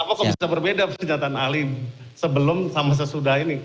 apa kok bisa berbeda pernyataan ahli sebelum sama sesudah ini